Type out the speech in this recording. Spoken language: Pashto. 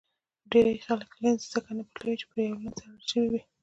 ډېری خلک لینز ځکه نه بدلوي چې په یو لینز کې عادت شوي وي.